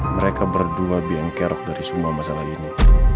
mereka berdua biang kerok dari semua masalah ini